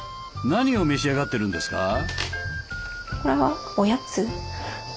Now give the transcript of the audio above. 何を召し上がってるんですか？